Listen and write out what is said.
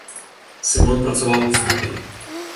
Сымон працаваў у студыі.